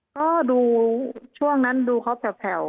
ก็ดูข้อช่วงนั้นเผลอ